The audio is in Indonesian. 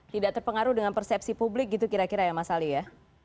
tidak terpengaruh dengan persepsi publik gitu kira kira ya mas ali ya